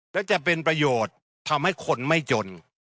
และจะเป็นประโยชน์ทำให้คนไม่จน